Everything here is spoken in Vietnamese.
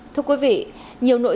thưa quý vị